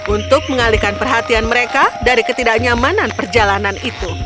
untuk mengalihkan perhatian mereka dari ketidaknyamanan perjalanan itu